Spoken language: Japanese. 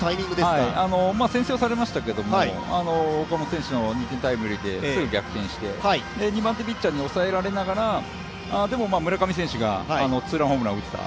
先制はされましたけど、岡本選手の２点タイムリーですぐ逆転して、二番手ピッチャーに抑えられながらでも、村上選手がツーランホームランを打った。